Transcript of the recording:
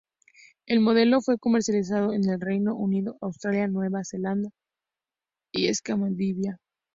El modelo fue comercializado en el Reino Unido, Australia, Nueva Zelanda y Escandinavia.